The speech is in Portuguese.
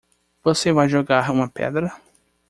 Você vai jogar uma pedra?